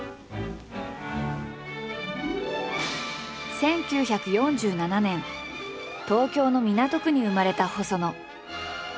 １９４７年東京の港区に生まれた細野。